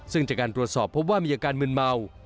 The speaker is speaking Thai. ซึ่งจากการตรวจสอบพบว่ามีอาการมืนเมา